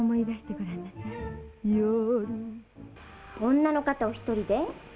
女の方お一人で？